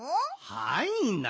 はいな。